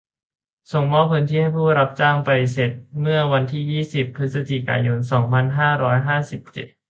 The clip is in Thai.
ส่งมอบพื้นที่ให้ผู้รับจ้างไปเสร็จเมื่อวันที่ ยี่สิบ พฤศจิกายน สองพันห้าร้อยห้าสิบเจ็ด